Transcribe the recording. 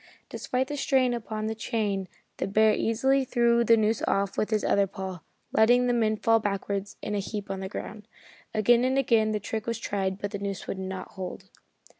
Despite the strain upon the chain the bear easily threw the noose off with his other paw, letting the men fall backwards in a heap on the ground. Again and again the trick was tried but the noose would not hold.